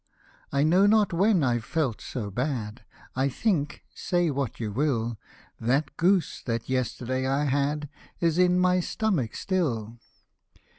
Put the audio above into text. " I know not when I've felt so bad ; I think, say what you will, That goose that yesterday I had Is in my stomach still